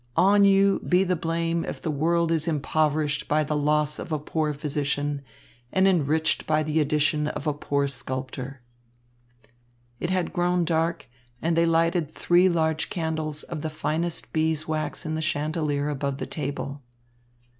On you be the blame if the world is impoverished by the loss of a poor physician and enriched by the addition of a poor sculptor." It had grown dark, and they lighted three large candles of the finest bee's wax in the chandelier above the table.